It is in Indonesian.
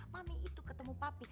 mami itu ketemu papi